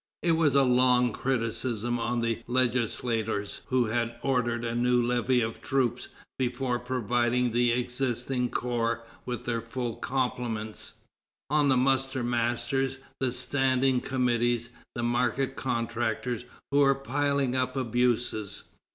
It was a long criticism on the legislators who had ordered a new levy of troops before providing the existing corps with their full complements; on the muster masters, the standing committees, and the market contractors, who were piling up abuses.